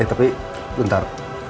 eh tapi bentar